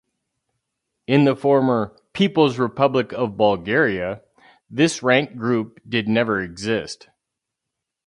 In the former "People's Republic of Bulgaria" this rank group did never exist.